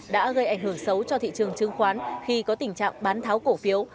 đã gây ảnh hưởng xấu cho thị trường chứng khoán khi có tình trạng bán tháo cổ phiếu